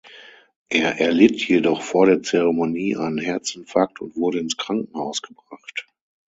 Er erlitt jedoch vor der Zeremonie einen Herzinfarkt und wurde ins Krankenhaus gebracht.